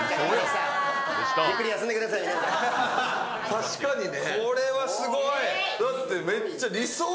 確かにね。